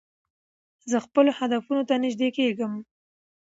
زه خپلو هدفونو ته نژدې کېږم.